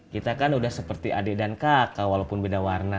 kita kan udah seperti adik dan kakak walaupun beda warna